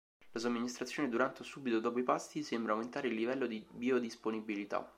La somministrazione durante o subito dopo i pasti sembra aumentare il livello di biodisponibilità.